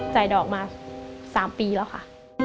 จ่ายดอกมา๓ปีแล้วค่ะ